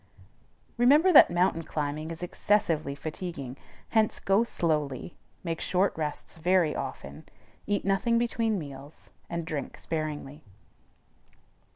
Remember that mountain climbing is excessively fatiguing: hence go slowly, make short rests very often, eat nothing between meals, and drink sparingly.